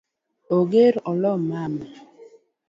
Ong’er olo mama